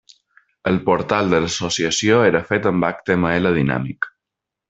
El portal de l'Associació era fet amb HTML dinàmic.